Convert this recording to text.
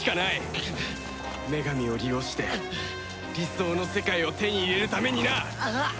女神を利用して理想の世界を手に入れるためにな！